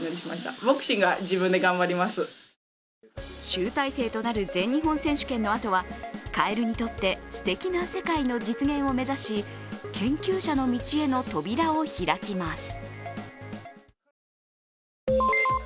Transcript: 集大成となる全日本選手権のあとはカエルにとってすてきな世界の実現を目指し、研究者の道への扉を開きます。